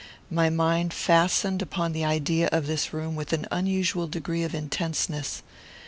My mind fastened upon the idea of this room with an unusual degree of intenseness.